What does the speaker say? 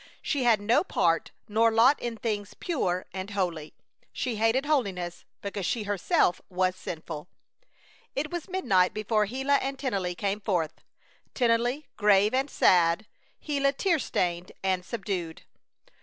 She had no part nor lot in things pure and holy. She hated holiness because she herself was sinful! It was midnight before Gila and Tennelly came forth, Tennelly grave and sad, Gila tear stained and subdued.